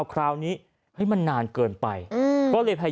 จนกระทั่งบ่าย๓โมงก็ไม่เห็นออกมา